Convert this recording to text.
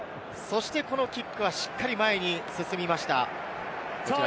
キックはしっかり前に進みました。